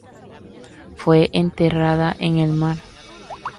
Fue enterrada en el mar.